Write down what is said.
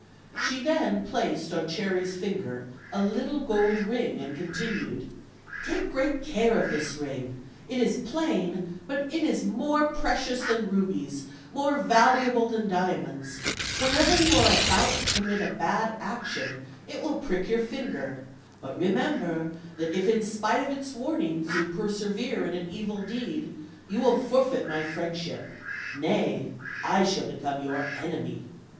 She then placed on Cherry's ringer a little gold ring, and continued: "Take great care of this ring; it is plain, but it is more precious than rubies, more valuable than dia monds; whenever you are about to commit a bad action it will prick your finger; but remember that if in spite of its warning you persevere in an evil deed, you will for feit my friendship; nay, I shall become your enemy."